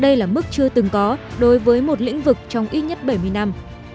đây là mức chưa từng có đối với một lĩnh vực trong ít nhất bảy mươi năm